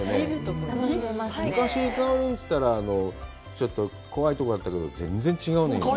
昔、九龍っていったらちょっと怖いところだったけど、全然違うね。